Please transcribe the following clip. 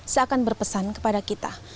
seakan berpesan kepada kita